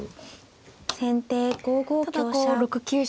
先手５五香車。